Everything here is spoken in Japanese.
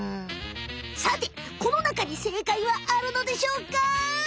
さてこのなかに正解はあるのでしょうか？